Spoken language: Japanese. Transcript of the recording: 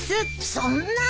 そんなぁ。